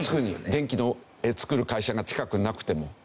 電気を作る会社が近くになくても。